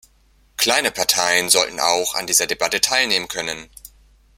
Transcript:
Kleine Parteien sollten auch an dieser Debatte teilnehmen können.